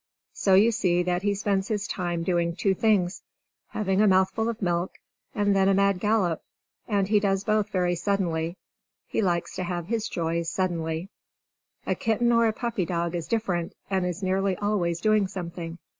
So you see that he spends his time doing two things having a mouthful of milk, and then a mad gallop. And he does both very suddenly. He likes to have his joys suddenly. A kitten or a puppy dog is different, and is nearly always doing something.